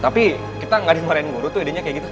tapi kita nggak diwarain guru tuh idenya kayak gitu